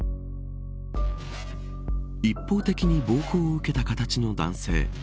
一方的に暴行を受けた形の男性。